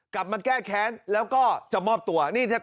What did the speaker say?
กลับมาแก้แค้นแล้วก็จะมอบตัว